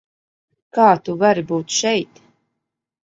Kā tu vari būt šeit?